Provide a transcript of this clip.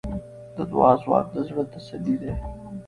د دعا ځواک د زړۀ تسلي ده.